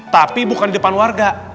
tapi bukan depan warga